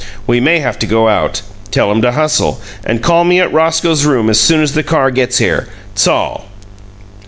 We may have to go out. Tell him to hustle, and call me at Roscoe's room as soon as the car gets here. 'T's all!"